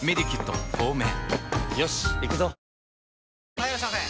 ・はいいらっしゃいませ！